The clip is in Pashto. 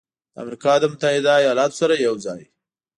د امریکا له متحده ایالاتو سره یوځای